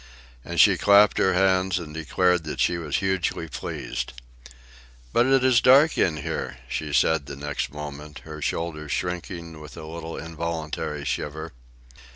And she clapped her hands and declared that she was hugely pleased. "But it is dark in here," she said the next moment, her shoulders shrinking with a little involuntary shiver.